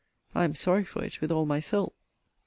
[I am sorry for it with all my soul!].